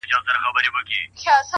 وخت د ارمانونو د پخېدو میدان دی’